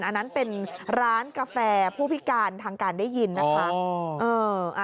อันนั้นเป็นร้านกาแฟผู้พิการทางการได้ยินนะคะ